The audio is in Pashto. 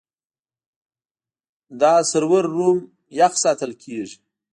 دا سرور روم یخ ساتل کېږي.